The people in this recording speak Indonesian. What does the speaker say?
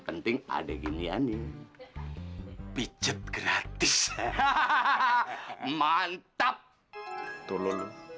penting ada ginian ya pijet gratis hahaha mantap dulu